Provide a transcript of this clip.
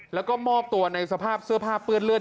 แล้วก็มอบตัวในสภาพเสื้อผ้าเปื้อนเลือด